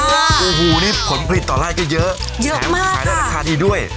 โอ้โหนี่ผลผลิตต่อรายก็เยอะเยอะมากค่ะขายได้ราคาดีด้วย